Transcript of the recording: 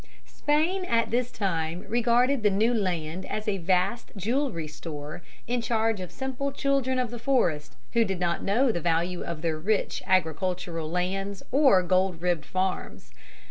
Spain at this time regarded the new land as a vast jewelry store in charge of simple children of the forest who did not know the value of their rich agricultural lands or gold ribbed farms.